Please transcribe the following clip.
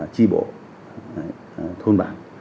chi bộ thôn bản